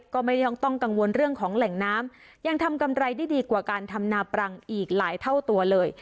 ก็ไม่ต้องกังวลเรื่องของแหล่งน้ำยังทำกำไรได้ดีกว่าการทำนาปรังอีกหลายเท่าตัวเลย